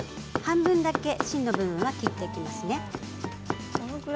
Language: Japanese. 半分だけ芯の部分は切っていきますね。